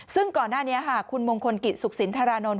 ซึ่งก่อนหน้านี้ค่ะคุณมงคลกิจสุขสินธารานนท